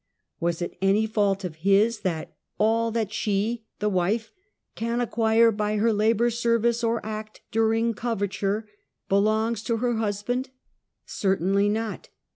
Was it any fault of his that " all that she (the wife) can acquire by her labor service or act during coverture, belongs to her hus band?" Certainly not.